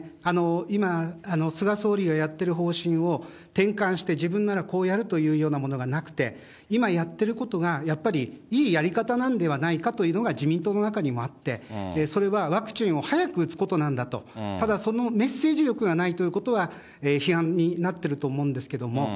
今、菅総理がやってる方針を転換して、自分ならこうやるというようなものがなくて、今やってることが、やっぱりいいやり方なんではないかというのが自民党の中にもあって、それはワクチンを早く打つことなんだと、ただそのメッセージ力がないということは、批判になってると思うんですけども。